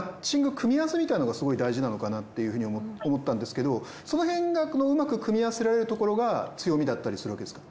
組み合わせみたいなのがすごい大事なのかなっていうふうに思ったんですけどその辺がうまく組み合わせられるところが強みだったりするわけですか？